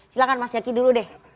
silahkan mas yaki dulu deh